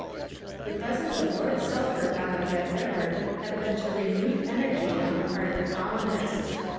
The presence of Lord Selkirk on the Red River had led to renewed energy on the part of the colonists.